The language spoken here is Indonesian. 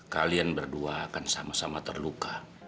kalian berdua akan sama sama terluka